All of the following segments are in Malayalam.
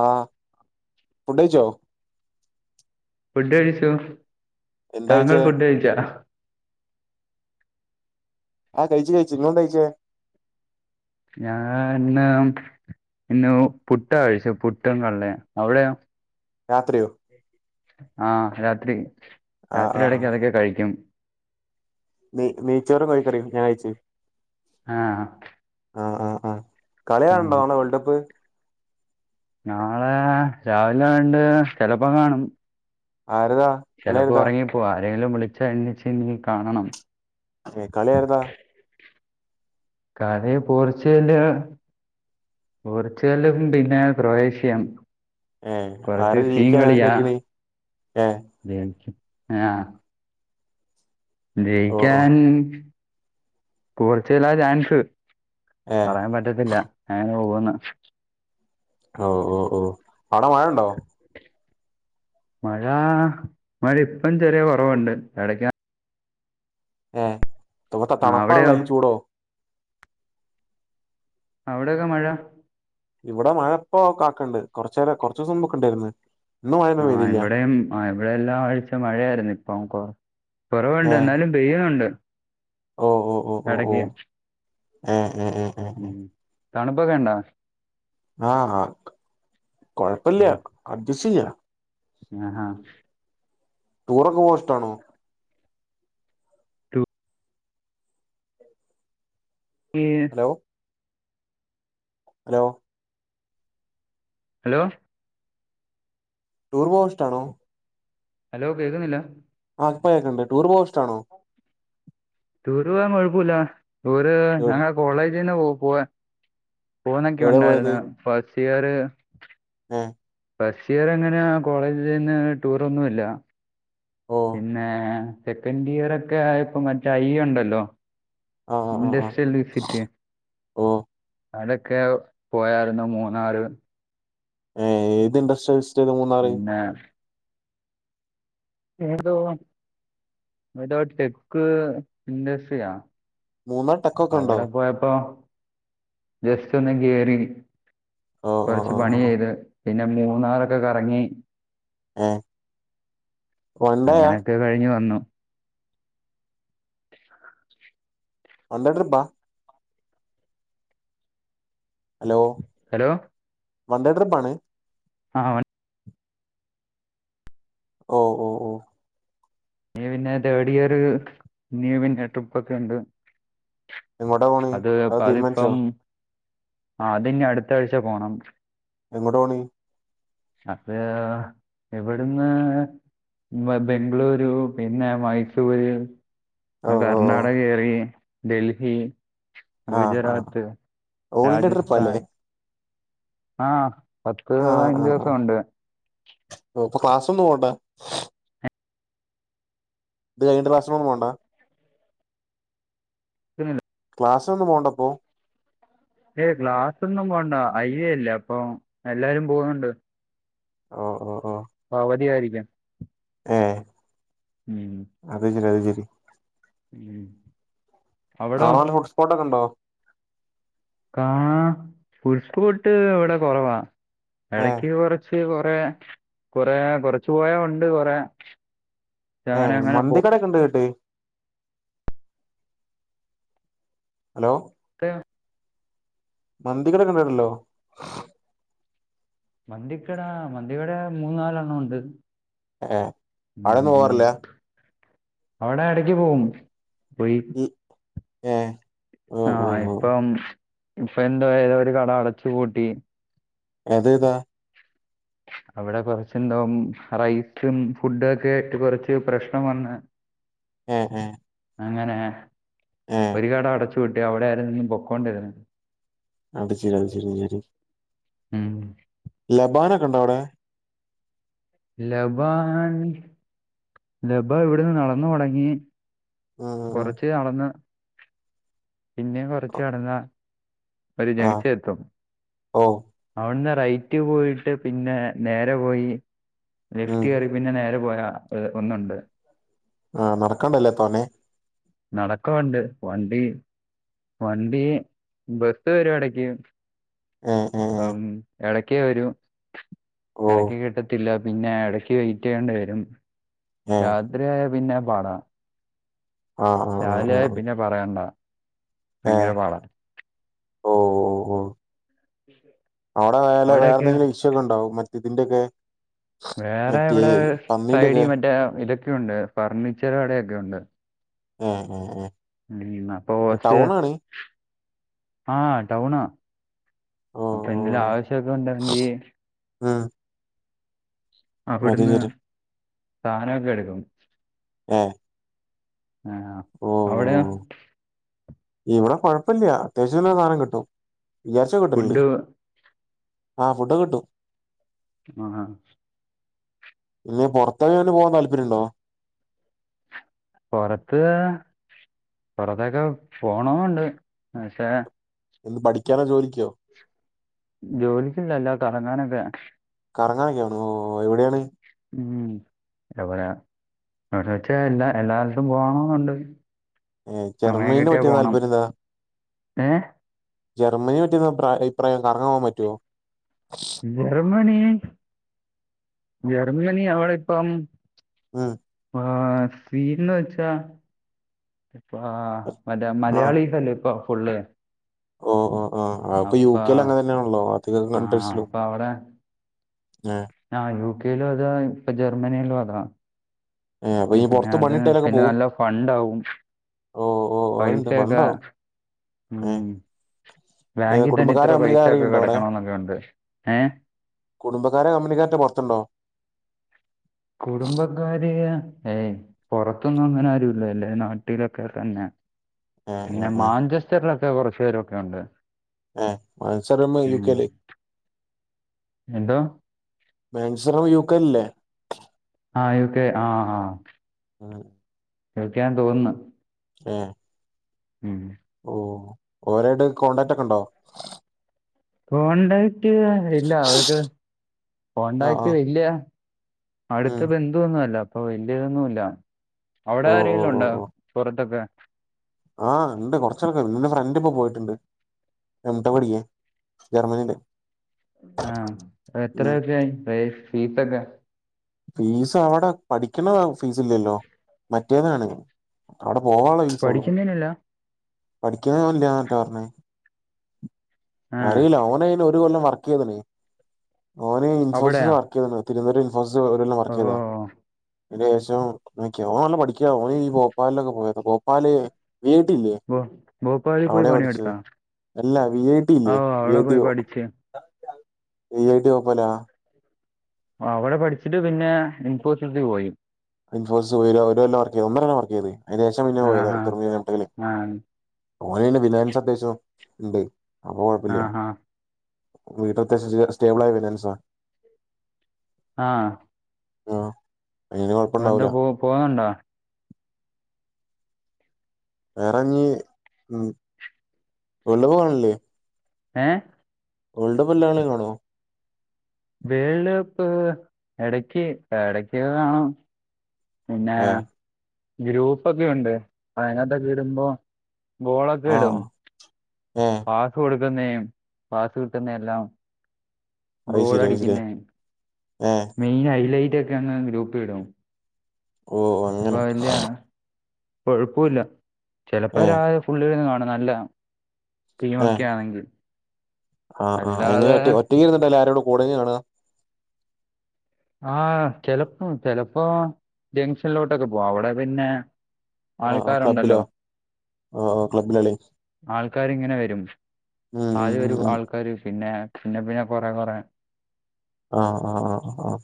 ആഹ ഫുഡ്യ്ച്ചോ? ഫുഡ് കഴിച്ചു എന്താ താങ്കൾ കഴിച്ചേ ഫുഡ് കഴിച്ചോ ആ കഴ്ച്ച് കഴിച്ചു ഇങ്ങൾ എന്താ കഴിച്ചേ ഞാൻ ഇന്ന് ഇന്ന് പുട്ടാ കഴിച്ചേ പുട്ടും കടലയും അവിടെ രാത്രിയോ ആഹ രാത്രി ആഹ് രാത്രി ആഹ് എടക്കെതൊക്കെ കഴിക്കും നെ നെയ്ച്ചോറും കോഴിക്കറിയും ഞാൻ കയ്ച്ചു ആ ആഹ ആഹ് ആഹ കളി ഉം. കൺണ്ടോ നാളെ വേൾഡ് കപ്പ്? നാളെ രാവിലെ കണ്ട് ചെലപ്പോ കാണും ആരുവാ ചെലപ്പോ ഒറങ്ങിപ്പോവും ആരെങ്കിലും വിളിച്ച എണീച്ചയ്ഞ്ഞാ കാണണം ഏ കളിയാര്താ കളി പോർച്ചുഗലും പോർച്ചുഗലും പിന്നെ ക്രൊയേഷ്യയും ഏപ് കുറച്ച് ആര് ജയിക്കാന്നാ വിചാരിക്ക്ണെ ഏ അ ആഹ ഓഹ് ഓഹ് ജയിക്കാൻ പോർച്ചുഗലാ ചാൻസ് ഏഹ് പറയാൻ പറ്റത്തില്ല എങ്ങനെ പോവൂന്ന് ഓ ഓ ഓ അവിട മഴ ഉണ്ടോ മഴാ മഴയിപ്പം ചെറിയ കൊറവുണ്ട് എടക്ക് ഏ മൊത്തം ആ തണുപ്പാണോ? അവിടെയോ അല്ലേ ചൂടോ? അവിടെക്കെ മഴ ഇവിടെ മഴ ഇപ്പൊ കാക്കണ്ട്. കുറച്ച് നേരം, കുറച്ച് ദിവസം മുമ്പൊക്കെ ണ്ടേര്ന്ന്. ആഹ് ഇവിടെയും ആ ഇവിടെയെല്ലാ ആഴ്ച മഴയായിരുന്നു ഇപ്പം കൊറവ്ണ്ട് എന്നാലും പെയ്യ്ണുണ്ട് ഓ ഓ ഓ എടക്ക് ഏ ഏ ഏ ഏ ഉം തണുപ്പൊക്കെയ്ണ്ടോ? ആഹ് ആഹ കൊഴപ്പില്ല അട്ജസ്റ്റ് ചെയ്യാ ആഹാ ടൂറൊക്കെ പോവാനിഷ്ടാണോ? [inaudible] ഹലോ? ഹലോ?? ഹലോ? ടൂർ പോവാനിഷ്ടാണോ? ഹലോ! കേൾക്കുന്നില്ല? ആ ഇപ്പ കേക്കണ്ട്. ടൂർ പോവാനിഷ്ടാണോ? ടൂര് പോവാൻ കുഴപ്പൂല്ല, ടൂര് എവ് ഞങ്ങള് കോളേജീന്ന് പോവാൻ പോണൊക്കെ എവിടെ പോയത് ഉണ്ടായിരുന്ന്, ഫസ്റ്റ് ഇയർ [unintelligible] ഫസ്റ്റ് ഇയർ എങ്ങനെയാ, കോളേജിന്ന് ടൂർ ഒന്നുമില്ല. ഓ പിന്നെ.., സെക്കൻഡ് ഇയർ ഒക്കെ ആയപ്പൊ, മറ്റേ ഐ ഒണ്ടല്ലോ? ആ ! ആ ആ ആ ഇന്ടെസ്റ്റിൽ വിസിറ്റ് ഓ അടൊക്കെ പോയാരുന്നു. മൂന്നാറ്, ഏ, ഏത് ഇൻട്രസ്റ്റി പിന്നെ, ഏതോ, ഏതോ ടെക്ക് ഇഡസ്ട്രിയാ. മൂന്നാർ ടക്കം അവിടെ പോയപ്പോ ജസ്റ്റ് ഒന്ന് കേറി, ഓ ഓ കൊറച്ച് ഓ പണി ഓ ചെയ്ത്. പിന്നെ, മൂന്നാറൊക്കെ കറങ്ങി. ഏ, വൺ ഡേയാ? [unintelligible] കഴിഞ്ഞ് വന്നു. [inaudible] വൺഡേ ട്രിപ്പാ? ഹലോ.? ഹലോ വൺ ഡേ ട്രിപ്പാണ്? ആ ഓ.. ഓ.. ഓ.. ! ഇനീ പിന്നെ, തേർഡ് ഇയർ ഇനീം പിന്നെ ട്രിപ്പൊക്കെണ്ട്. എങ്ങോട്ടാ പോണ് അത്.. തീരുമാനിച്ചോ അതിപ്പം, അതിഞ് അടുത്ത ആഴ്ച പോണം. എങ്ങോട്ടാ പോണേനി? അത്.., ഇവിടുന്ന് [unintelligible] ബംഗ്ളൂരു പിന്നെ, മൈസൂര് ഓ ന്നെ ഓ ഓ കർണാടക കേറി, ഡൽഹി ആ ആ ഗുജറാത്ത്, ഓൾടെ ട്രിപ്പാല്ലേ രാജസ്ഥാൻ. ആഹ്.., പത്ത്, ആ ആ ആ പതിനഞ്ചുസം ഒണ്ട്. ഓ.. ! അപ്പൊ ക്ലാസ് ഒന്നും പോണ്ടാ? ഇത്‌ കഴിഞ്ഞിട്ട് ക്ലാസിനൊന്നും പോണ്ട? [unintelligible] ക്ലാസിനൊന്നും പോണ്ട പ്പൊ? ഏയ് ഗ്ലാസൊന്നും പോണ്ട. ഐ യെ ല്ലെ അപ്പൊ, എല്ലാരും പോണുണ്ട്. ഓ ഓ ഓ പ്പവധിയായിരിക്കും [unintelligible] ഉം അത്, ശരി അത് ശരി ഉം അവിടോ [unintelligible] ഹോട്ട്സ്പോട്ട്ഒക്കെയുണ്ടോ? [unintelligible] ഇവിടെ കൊറവാ ഏ എടക്ക് കുറച്ച് ച്ച് കൊറേ കൊറേ കൊറച്ച് പോയാ ഒണ്ട് കൊറേ ഏ അങ്ങനെ അങ്ങനെ മന്തി പോയിട്ട് കടയൊക്കെ ഒണ്ട് കേട്ട്- ഹലോ? [unintelligible] മന്തി കടൊക്കെയുണ്ടായിരല്ലോ? മന്തി കടാ മന്തികട മൂന്നാലെണ്ണം ഉണ്ട്. ഏ അവിടൊന്നും പോവാറില്ല [unintelligible] അവിടെ എടക്ക് പോവും [unintelligible] ഈ ഏ? ഓ ആ ഓ ഓ ഇപ്പം ഇപ്പ എന്താ ഏതോ ഒരു കട അടച്ചു പൂട്ടി അതേതാ? അവിടെ കൊറച്ച് എന്തോ റൈസും ഫുഡു ക്കെ ആയിട്ട് കൊറച്ച് പ്രശ്നം വന്ന് ആഹ് ആഹ് അങ്ങനെ ഒരു കട അടച്ചു പൂട്ടി. അവിടെ ആരുന്നു പൊക്കോണ്ടിരുന്നത്. അപ്പ ശരി അത് ശരി ശരി ഉം. ലബാനൊക്കെണ്ടോ അവിടെ? ലബാൻ ലബാ ഇവിടുന്ന് നടന്നു പോണെങ്കി. ഉം ഉം കൊറച്ച് നടന്ന് പിന്നെം കൊറച്ച് ഉം നടന്നാ ഒരു ആ ജങ്ഷെത്തും ഓ അവിടുന്ന് റൈറ്റ് പോയിട്ട് പിന്നെ നേരെ പോയി ഉം ലെഫ്റ്റ് കേറി പിന്നെ നേരെ പോയാ ഒന്നൊണ്ട്. ആ നടക്കാണ്ടല്ലേ തോനെ? നടക്കാ ഒണ്ട് വണ്ടി വണ്ടി ബസ് വരും എടക്ക് ആ [unintelligible] അം എടക്കേ വരൂ ഓ എടക്കിങ്ങട്ട് ട്ടില്ല പിന്നെ എടക്ക് വെയിറ്റെയ്യേണ്ടി വരും ഏ രാത്രി ആയ പിന്നെ പാടാ ആ ആ ആ രാവിലെ ആയാ ആ പിന്നെ പറയണ്ട ഏ ഭയങ്കര പാട ഓ ഓ ഓ ഉ [unintelligible] അവിടെ വേല വേറെന്തെങ്കിലും വിഷക്കെണ്ടാവും മറ്റെ ഇതിന്റൊക്കെ വേറെ ഇവിടെ സൈഡി മറ്റേ ഇതൊക്കെയുണ്ട് ഫർണിച്ചർ കടയൊക്കെ ഉണ്ട് ഉം-ഉം-ഉം ഉം അപ്പൊശ് ആ ടൗണാ ഓ അപ്പൊ എന്തെലും ആവശ്യൊക്കെ ഒണ്ടെങ്കി മ്മ് അവിടുന്ന് സാനൊക്കെ എടുക്കും ഏ ആഹ് ഓ ഓ അവിടെയോ ഇവിടെ കൊഴപ്പല്ല്യ. അത്യാവശ്യത്തിന്ള്ള സാധനം കിട്ടും വിചാരിച്ച കിട്ടലുണ്ട് ഫുഡ് ആഹ് ഫുഡ് കിട്ടും ആഹ് ഇനി പുറത്ത് എവിടെങ്കിലും പോവാൻ താല്പര്യം ഉണ്ടോ പുറത്ത് പൊറത്തൊക്കെ പോവണം എന്നുണ്ട് പക്ഷേ എന്ത് പഠിക്കാനോ ജോലിക്കോ ജോലിക്കല്ല അല്ലാതെ കറങ്ങാനൊക്കെ കറങ്ങാനൊക്കെ ആണോ ഓ എവിടെയാണ് ഉം എവിടെയാ എവിടെ വെച്ചാ എല്ലാ എല്ലായിടത്തും പോണന്നുണ്ട് ഏ ജർമനിനെ പറ്റി താല്പര്യം എന്താ ഏ ജർമ്മനി പറ്റി എന്താ അഭി-അഭിപ്രായം എന്താ കറങ്ങാൻ പോകാൻ പറ്റുവോ ജർമ്മനി ജർമ്മനി അവടിപ്പം ആ ആ സീരിയല് വച്ചാ ആ മറ്റേ ആ മലയാളീസല്ലേ ഇപ്പൊ ഫുള് ഓ ഓ ആ അപ്പൊ യു കേല് അങ്ങനെ തന്നെയാണല്ലോ ആധിക ആ കൺട്രീസിലും അപ്പൊ അവിടെ ആ ആ യു കെയിലും അതാ ഇപ്പൊ ജർമ്മനിയിലും അതാ ഏ അപ്പൊ ഈ പിന്നെ പൊറത്ത് അത് പണികിട്ടിയാലൊക്കെ പിന്നെ പോവും നല്ല ഫണ്ട് ആവും. പൈസൊക്കെ ആ ബാങ്കിൽ തന്നെ ഇത്ര പൈസ ഒക്കെ കെടക്കാണോന്നൊക്കെയുണ്ട് ഏ കുടുംബക്കാരെ കമ്പനിക്കാരന്റെ പുറത്തുണ്ടോ? കുടുംബക്കാര് ഏയ് പൊറത്ത്ന്ന് അങ്ങനെ ആരും ഇല്ല എല്ലാംനാട്ടിലൊക്കെ തന്നെ ഏ ഏ പിന്നെ ഏ മാഞ്ചസ്റ്ററിലൊക്കെ കുറച്ച് പേരൊക്കെ ഉണ്ട്. ഏ മത്സരമ്മ യു ഉം. കെ ല് എന്തോ മൻസർവാ യൂ ക്കെലല്ലേ? ആ യൂക്കെ ആ ആ ആ കഴിക്കാൻ തോന്നുന്ന്. ആ ഉം ഓ ഓരോട് കോൺടാക്ട് ഒക്കെ ഉണ്ടോ? പോൺണ്ട് ഇല്ല അവര്ടെ ആ ആ കോണ്ടാക്ട് വല്ല്യ അടുത്ത ഉം ബന്ത ഇതൊന്നല്ല അപ്പൊ വലിയതൊന്നുമല്ല. അവിടെ ഓ ഓ ആരെങ്കിലും ഓ ഉണ്ടോ ഓ പുറത്തൊക്കെ? ആ ഉണ്ട്. കുറച്ചാൾക്കാര് എന്റെ ഫ്രണ്ടിപ്പോ പോയിട്ടുണ്ട്. [unintelligible] ജർമ്മനിയില് ആഹ് എത്ര ഉം ഉർപ്പിയായി പൈ ഫീസൊക്കെ ഫീസ് അവിടെ പഠിക്കണ ഫീസ് ഇല്ലല്ലോ മറ്റേതാണ് അവിടെ പോവളേ പഠിച്ചോളും പഠിക്കുന്നതിനല്ല [unintelligible] പറഞ്ഞേ ആ അറിയില്ല ഓന അയിന് ഒരു കൊല്ലം വർക്ക് ചെയ്തിന് ഓന് ഇൻഫോസിസ് അവിടെയാ വർക്ക് ചെയ്തിന് തിരൂരിൽ ബോസ് ഓരോല്ലാം ഓ വർക്ക്‌ ചെയ്തോ അതിന് ശേഷം മിക്കവ ഓൻ പഠിക്കാ ഓനി ഈ ഭോപ്പാലിലൊക്കെ പോയത ഭോപ്പാല് വി ഐ ടി ല്ലെ ഭോ- ഭോപ്പാലിൽ പോയി അവടെ പഠിച്ചേ പണിയെടുത്താ അല്ല V I T V I ഓ അവിടെ ടി പോയി പഠിച്ച് വി ഐ ടി ഓപാല അവിടെ പഠിച്ചിട്ട് പിന്നെ ഇൻഫോസിസിൽ പോയി ഇൻഫോസിസ് വരൊ ഓരോല്ലാം വർക്ക്‌ ചെയ്തു ഒന്നര കൊല്ലം വർക് ചെയ്തു അയിന് ശേഷം [unintelligible] ആ ഹാ ആ ഓനെ അയ്ൻ ഫിനാൻഡ് അത്യാവശ്യം ഉണ്ട് അപ്പൊ കൊഴപ്പില്ല ആ ഹാ വീടെ അത്യാവശ്യം സ്റ്റേബിൾ ആയി വരാണ് സാർ ആഹ് ആഹ് അയിനോ ഇപ്പന്റെ പോ പോകാൻ ണ്ടോ വേറെഞ്ഞി ഉമ് വിളവ് വാണല്ലി ഏഹ് [unintelligible] വേള്ട് കപ്പ് എടക്ക് എടക്കെന്നാ പിന്നെ ഏഹ് ഗ്രൂപ്പൊക്കെ ഉണ്ട് അതിനകത്തൊക്കെ ഇടുമ്പോ ഗോളൊക്കെ ഇടും ആഹ് ഏഹ് പാ കൊടുക്കുന്നേയും പാസ് കിട്ടുന്ന എല്ലാം അത് ഗോൾ ശരി അത് ശരി അടിക്കുന്ന ഏഹ് മെയിൻ ഹൈലൈറ്റ് ഒക്കെ അങ്ങ് ഗ്രൂപ്പിലിടും ഓഹ് അപ്പൊ അങ്ങനെ അയില്ല കൊഴപ്പൂല്ല ചിലപ്പോ ഏഹ് രാവിലെ പുള്ളിരുന്ന് കാണും നല്ല ഏഹ് ഫിലിമൊക്കെയാണെങ്കിൽ ആഹ് ആഹ് എങ്ങനെ ഒ ഒറ്റകീരുന്നിട്ടാ അല്ല ആരോടൊ കൂടയിരുന്ന് കാണാ ആഹ് ചെലപ്പോ ചെലപ്പോ ജംഗ്ഷനിലോട്ടൊക്കെ പോവാ അവിടെ പിന്നെ ആഹ് ആഹ് ആൾക്കാരുണ്ടല്ലോ ക്ലബ്ബിലോ ആഹ് ആഹ് ക്ലബ്ബിലെ കളി ആൾക്കാരിങ്ങനെ വരും ഉം ഉം ആദ്യ ഉം ഒരു ഉം ആൾക്കാര് പിന്നെ പിന്നെ പിന്നെ കൊറ കൊറ ആഹ് ആഹ് ആ ആഹ്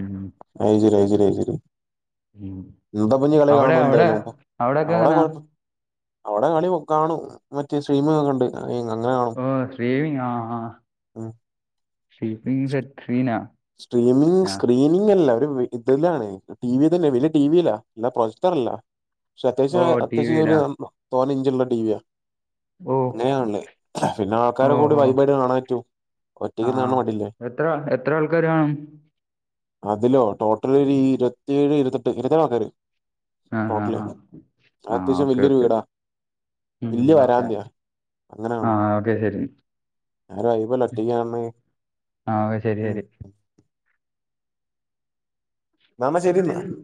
ഉം ഐജരി ഐജിരി ഐജരി ഉം എന്താപ്പഞ്ഞു കളി അവിടെ കാണുമൊ അവിടെ എന്തായാലും അവിടൊക്കെ അവിടെ എങ്ങനാ കൊഴപ്പം അവിടെ കളി കാണും മറ്റ് [unintelligible] ഒക്കെ ഉണ്ട് അ അങ്ങനെ കാണും ഓ ശ്രീവിങ്ങ് ആഹ് ആഹ് ഉം ശ്രീപ്പിങ് സെറ്റ് സീനാ സ്ട്രീമിംഗ് ആ സ്ക്രീൻ സ്ക്രീനിങ് അല്ല ഒരു ഇതിലാണ് ടി വി തന്നെ വലിയ ടി വിയില അല്ലാതെ പ്രൊജക്ടർ അല്ല പക്ഷെ ഓ അത്യാവശ്യം ടി അത്യാവശ്യം ഒരു വിയിലാ തോനെ ഇഞ്ച് ഉള്ള ടിവിയാ ഓ അങ്ങനെയാണല്ലേ പിന്നെ ഓ ആൾക്കാരെ കൂടി ഓ വൈബായിട്ട് കാണാൻ പറ്റും ആ ഒറ്റക്കിരുന്ന് ആ കാണുന്ന മടിയല്ലേ എത്ര എത്ര ആൾക്കാര് കാണും അതിലോ ടോട്ടൽ ഒരു ഇരുപത്തിയേഴ്‌ ഇരുപത്തെട്ട് ഇരുപത്തേഴ് ആൾക്കാര് ആ ആ ടോട്ടല് ആ അത് ആ അത്യാവശ്യം ഓക്കെ വല്ലിയൊരു ഓക്കെ വീടാ ഉം ഇല്ല ഓക്കെ വരാറില്ല ആ അങ്ങനാണോ ഓക്കെ ശരി അതൊരു വൈബല്ല ഒറ്റയ്ക്ക് കാണുന്നെ ആഹ് ഓക്കേ ശരി ശരി എന്നാമ്മ ശെരി എന്ന ശരി